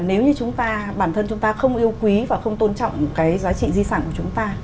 nếu như chúng ta bản thân chúng ta không yêu quý và không tôn trọng cái giá trị di sản của chúng ta